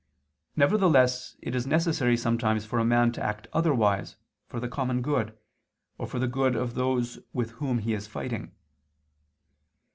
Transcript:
Nevertheless it is necessary sometimes for a man to act otherwise for the common good, or for the good of those with whom he is fighting.